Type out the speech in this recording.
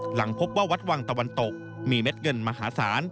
หลังพบว่าวัดวังตะวันตกมีเม็ดเงินมหาศาล